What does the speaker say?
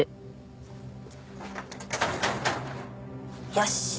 よし。